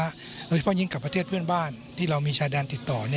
โดยเฉพาะยิ่งกับประเทศเพื่อนบ้านที่เรามีชายแดนติดต่อ